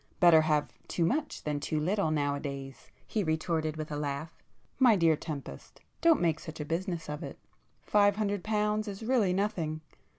"Better have too much than too little nowadays,"—he retorted with a laugh—"My dear Tempest, don't make such a business of it. Five hundred pounds is really nothing.